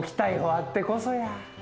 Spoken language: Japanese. あってこそや。